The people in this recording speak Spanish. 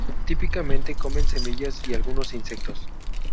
Típicamente comen semillas y algunos insectos.